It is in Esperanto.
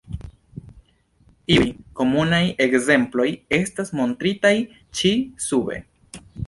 Iuj komunaj ekzemploj estas montritaj ĉi sube.